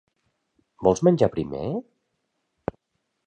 Vols menjar primer?